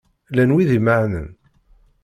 Llan wid imenεen?